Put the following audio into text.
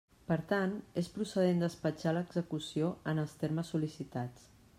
Per tant, és procedent despatxar l'execució en els termes sol·licitats.